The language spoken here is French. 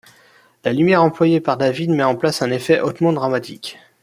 La lumière employée par David met en place un effet hautement dramatique.